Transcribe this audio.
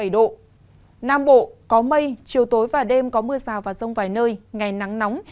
ba mươi bảy độ nam bộ có mây chiều tối và đêm có mưa rào và rông vài nơi ngày nắng nóng